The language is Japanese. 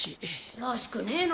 らしくねえな。